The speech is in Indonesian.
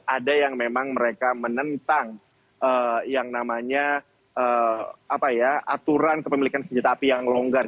ada yang memang mereka menentang yang namanya aturan kepemilikan senjata api yang longgar